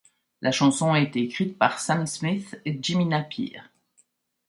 La chanson a été écrite par Sam Smith et Jimmy Napier.